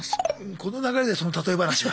この流れでその例え話が。